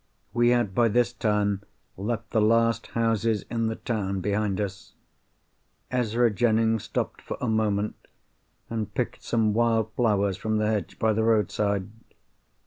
We had by this time left the last houses in the town behind us. Ezra Jennings stopped for a moment, and picked some wild flowers from the hedge by the roadside.